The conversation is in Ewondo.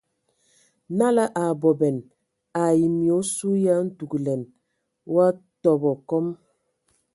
Nala a abɔbɛn ai mye osu ye a ntugəlɛn o a tɔbɔ kɔm.